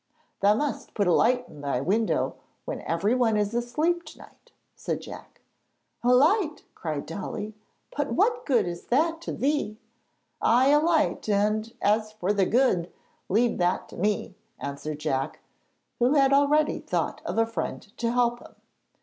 'Thou must put a light in thy window when everyone is asleep to night,' said Jack. 'A light!' cried Dolly; 'but what good is that to thee?' 'Ay, a light; and as for the "good," leave that to me,' answered Jack, who had already thought of a friend to help him.